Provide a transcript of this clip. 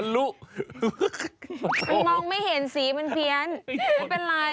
มันมองไม่เห็นสีมันเพี้ยนไม่เป็นไร